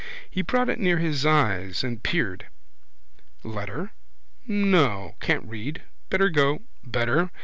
He brought it near his eyes and peered. Letter? No. Can't read. Better go. Better.